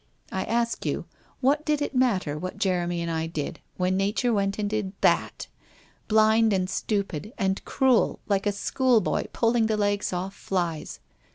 I ask you, what did it matter what Jeremy and I did, when Xature went and did that! Blind and stupid, and cruel, like a schoolboy pulling the legs off flies.